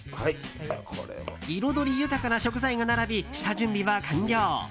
彩り豊かな食材が並び下準備は完了。